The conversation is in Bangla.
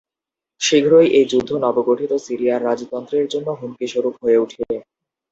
শীঘ্রই এই যুদ্ধ নবগঠিত সিরিয়ার রাজতন্ত্রের জন্য হুমকিস্বরূপ হয়ে উঠে।